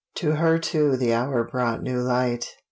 To her too the hour brought new light.